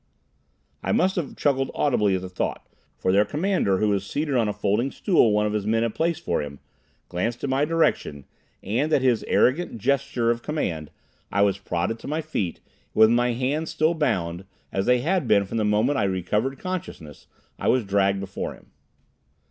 I must have chuckled audibly at the thought, for their commander who was seated on a folding stool one of his men had placed for him, glanced in my direction, and, at his arrogant gesture of command, I was prodded to my feet, and with my hands still bound, as they had been from the moment I recovered consciousness, I was dragged before him.